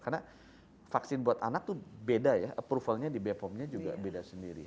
karena vaksin buat anak tuh beda ya approval nya di bepom nya juga beda sendiri